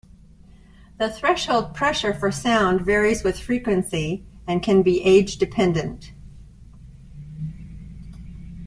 The threshold pressure for sound varies with frequency and can be age-dependent.